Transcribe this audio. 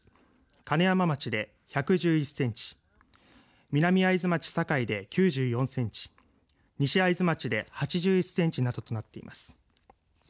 金山町で１１１センチ南会津町界で９４センチ西会津町で８１センチなどとなっています。